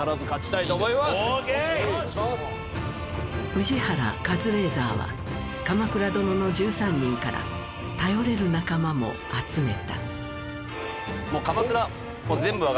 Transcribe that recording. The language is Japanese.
宇治原カズレーザーは『鎌倉殿の１３人』から頼れる仲間も集めた。